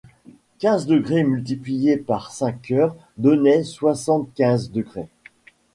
Quinze degrés multipliés par cinq heures donnaient soixante-quinze degrés